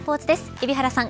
海老原さん